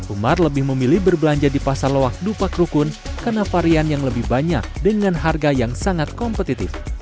umar lebih memilih berbelanja di pasar loak dupak rukun karena varian yang lebih banyak dengan harga yang sangat kompetitif